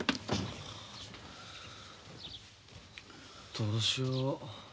どうしよう。